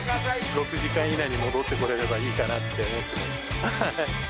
６時間以内に戻ってこれればいいかなって思ってます。